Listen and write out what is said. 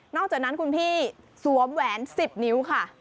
อกจากนั้นคุณพี่สวมแหวน๑๐นิ้วค่ะ